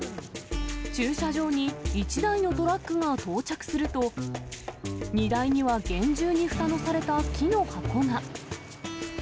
駐車場に１台のトラックが到着すると、荷台には厳重にふたのされた木の箱が。